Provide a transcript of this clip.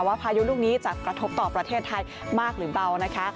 พายุลูกนี้จะกระทบต่อประเทศไทยมากหรือเบานะคะ